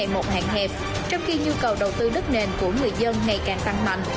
một hạn hẹp trong khi nhu cầu đầu tư đất nền của người dân ngày càng tăng mạnh